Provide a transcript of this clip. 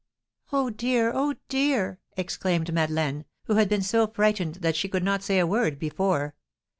"Oh, dear! oh, dear!" exclaimed Madeleine, who had been so frightened that she could not say a word before.